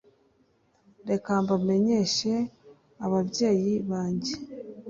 reka mbamenyeshe ababyeyi banjye